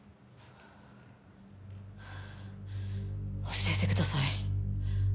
教えてください。